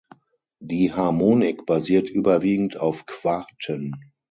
Die Harmonik basiert überwiegend auf Quarten.